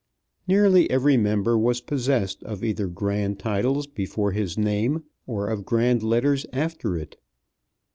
Nearly every member was possessed of either grand titles before his name, or of grand letters after it.